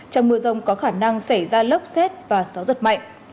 trong mưa rông có khả năng xảy ra lốc xét và gió giật mạnh